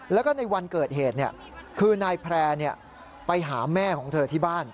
แล้วก็ในวันเกิดเหตุคือนายแพร่ไปหาแม่ของเธอที่บ้าน